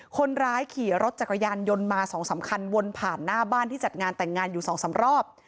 คนร้ายขี่รถจักรยานยนต์มา๒๓คันวนผ่านหน้าบ้านที่จัดงานแต่งงานอยู่๒๓รอบ